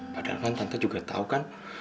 padahal kan tante juga tahu kan